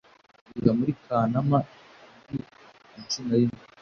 kugeza muri Kanama bibi naci na rimwe